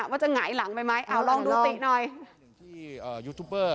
ว่าจะหงายหลังไปไหม